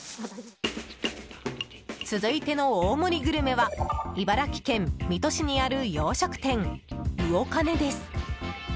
続いての大盛りグルメは茨城県水戸市にある洋食店ウオカネです。